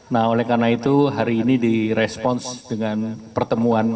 nah oleh karena itu hari ini direspons dengan pertemuan